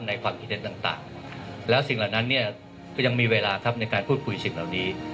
ความคิดเห็นต่างแล้วสิ่งเหล่านั้นเนี่ยก็ยังมีเวลาครับในการพูดคุยสิ่งเหล่านี้